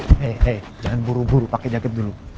hei jangan buru buru pakai jaket dulu